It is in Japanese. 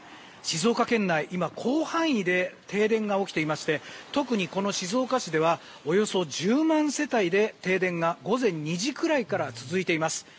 静岡県内、今、広範囲で停電が起きていまして特に、この静岡市ではおよそ１０万世帯で停電が午前２時くらいから続いています。